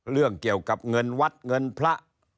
เรื่องเกี่ยวกับเงินวัดเงินพระ